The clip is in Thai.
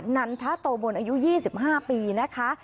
นันทะโตบนอายุ๒๕ปีนะคะ